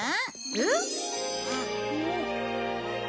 えっ？